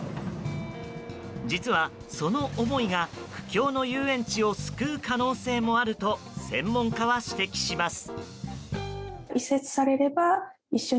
実は、その思いが苦境の遊園地を救う可能性もあると専門家は指摘します。